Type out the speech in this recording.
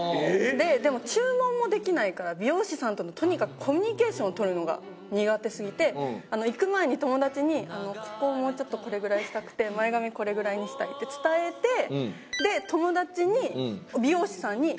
でも注文もできないから美容師さんとのとにかくコミュニケーションを取るのが苦手すぎて行く前に友達にここをもうちょっとこれぐらいにしたくて前髪これぐらいにしたいって伝えて友達に美容師さんに言ってもらうんですよ。